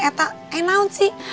eh tak eh naun sih